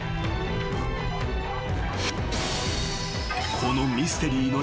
［このミステリーの真相